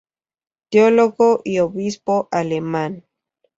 Teólogo y obispo alemán.